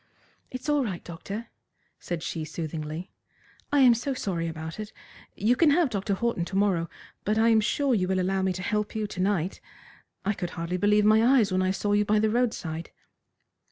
"It's all right, doctor," said she soothingly. "I am so sorry about it. You can have Dr. Horton to morrow, but I am sure you will allow me to help you to night. I could hardly believe my eyes when I saw you by the roadside."